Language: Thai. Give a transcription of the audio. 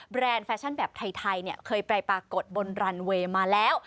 แบบไทยเนี่ยเคยปรายปรากฏบนรันเวย์มาแล้ว